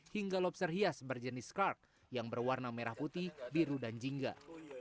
hingga lobster hias berjenis card yang berwarna merah putih biru dan jingga